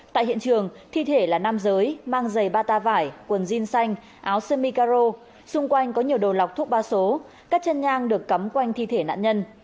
tại hiện trường thi thể là nam giới mang giày bata vải quần jin xanh áo sơ mikaro xung quanh có nhiều đồ lọc thuốc ba số các chân nhang được cắm quanh thi thể nạn nhân